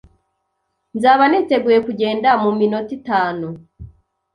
Nzaba niteguye kugenda mu minota itanu.